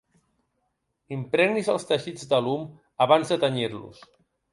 Impregnis els teixits d'alum abans de tenyir-los.